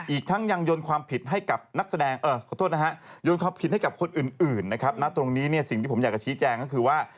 อีกทั้งยังยนต์ความผิดให้กับคนอื่นนะครับณตรงนี้เนี่ยสิ่งที่ผมอยากจะชี้แจงก็คือว่า